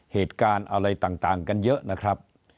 เหตุการณ์อะไรต่างกันเยอะนะครับ